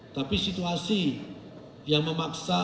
tapi situasi yang memaksa